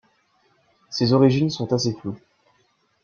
Ses origines sont assez floues.